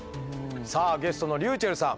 さあゲストのｒｙｕｃｈｅｌｌさん